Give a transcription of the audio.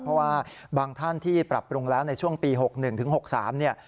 เพราะว่าบางท่านที่ปรับปรุงแล้วในช่วงปี๖๑ถึง๖๓เนี่ย